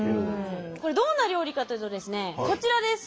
これどんな料理かというとですねこちらです。